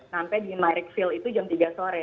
sampai di marikville itu jam tiga sore